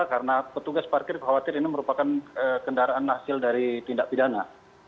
karena petugas parkir khawatir ini merupakan kendaraan hasil dari tindak pidana